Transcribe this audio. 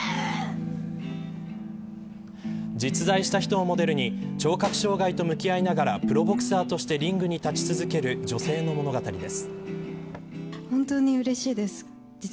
実在した人をモデルに聴覚障害と向き合いながらプロボクサーとしてリングに立ち続ける女性の物語です。